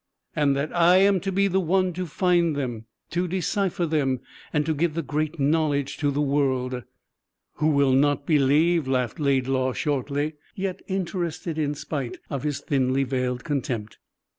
"And that I am to be the one to find them, to decipher them, and to give the great knowledge to the world " "Who will not believe," laughed Laidlaw shortly, yet interested in spite of his thinly veiled contempt.